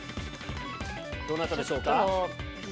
どなたでしょうか？